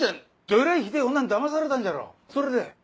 どえらいひでぇ女にだまされたんじゃろそれで。